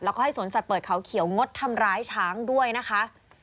แล้วก็ให้สวนสัตว์เปิดเขาเขียวงดทำร้ายช้างด้วยนะคะ